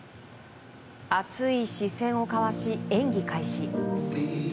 熱い視線を交わし演技開始。